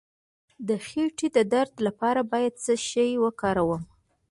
د خیټې د درد لپاره باید څه شی وکاروم؟